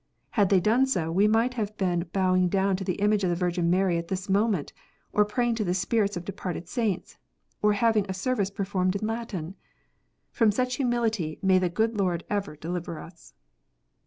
Had they done so, we might have been bowing down to the image of the Virgin Mary at this moment, or praying to the spirits of departed saints, or having a service performed in Latin. From such humility may the good Lord ever deliver us